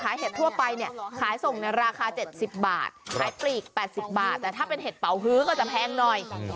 เห็ดทั่วไปเนี่ยขายส่งในราคา๗๐บาทขายปลีก๘๐บาทแต่ถ้าเป็นเห็ดเป่าฮื้อก็จะแพงหน่อย